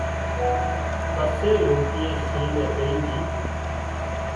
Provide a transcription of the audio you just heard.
پسي لونڪي شينهن ڪنين جھئي